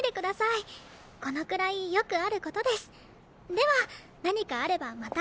では何かあればまた。